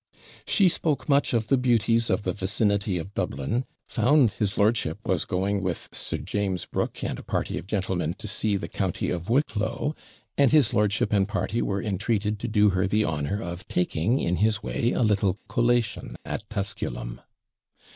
She spoke much of the beauties of the vicinity of Dublin; found his lordship was going with Sir James Brooke and a party of gentlemen to see the county of Wicklow; and his lordship and party were entreated to do her the honour of taking in his way a little collation at Tusculum.